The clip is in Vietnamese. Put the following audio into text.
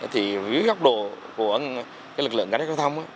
thì với góc độ của lực lượng cảnh sát giao thông